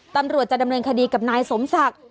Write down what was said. ตำรวจจะดำเนินคดีกับนายสมศักดิ์